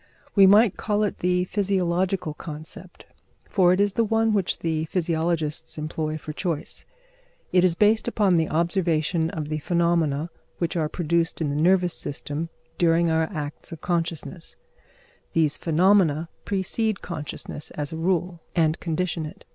We might call it the physiological concept, for it is the one which the physiologists employ for choice. It is based upon the observation of the phenomena which are produced in the nervous system during our acts of consciousness; these phenomena precede consciousness as a rule, and condition it.